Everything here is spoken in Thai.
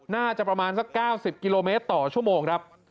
น่าจะประมาณสัก๙๐กิโลเมตรต่อชั่วโมงครับ